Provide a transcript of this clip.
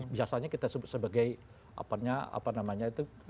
biasanya kita sebagai apanya apa namanya itu